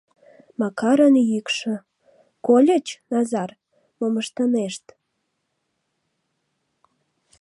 Макарын йӱкшӧ: «Кольыч, Назар, мом ыштынешт».